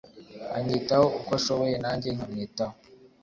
anyitaho uko ashoboye nange nkamwitaho